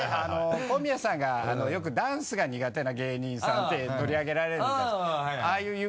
小宮さんがよくダンスが苦手な芸人さんで取り上げられるじゃないですか。